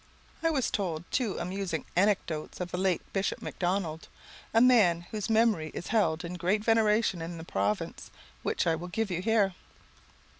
I was told two amusing anecdotes of the late Bishop Macdonald; a man whose memory is held in great veneration in the province, which I will give you here.